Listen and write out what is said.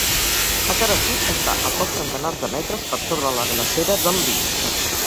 La cara sud està a pocs centenars de metres per sobre la Glacera del Lis.